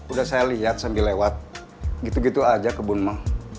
udah saya liat sambil lewat gitu gitu aja kebunmu